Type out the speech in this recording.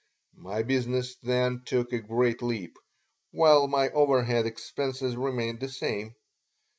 My business then took a great leap, while my overhead expenses remained the same.